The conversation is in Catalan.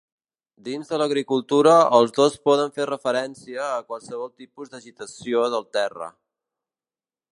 Dins de l'agricultura, els dos poden fer referència a qualsevol tipus d'agitació del terra.